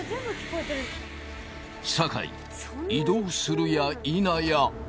酒井移動するやいなや